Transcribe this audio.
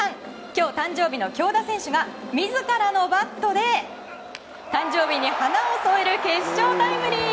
今日誕生日の京田選手が自らのバットで誕生日に花を添える決勝タイムリー。